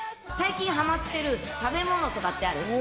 最近はまってる食べ物とかってある？